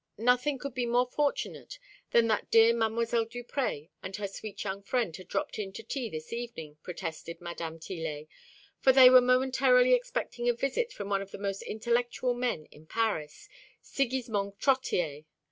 Nothing could be more fortunate than that dear Mdlle. Duprez and her sweet young friend had dropped in to tea this evening, protested Mdme. Tillet, for they were momentarily expecting a visit from one of the most intellectual men in Paris, Sigismond Trottier.